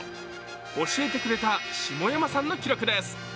教えてくれた下山さんの記録です。